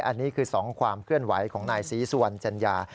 อันนี้คือ๒ความเคลื่อนไหวของนายศรีสุวรรณจัญญา